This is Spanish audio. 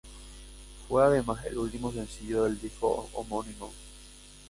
Fue además el último sencillo del disco homónimo.